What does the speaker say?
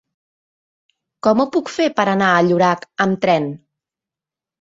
Com ho puc fer per anar a Llorac amb tren?